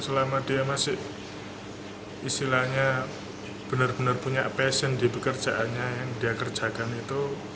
selama dia masih istilahnya benar benar punya passion di pekerjaannya yang dia kerjakan itu